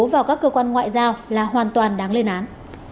vào các cơ quan ngoại giao là hoàn toàn đáng lên án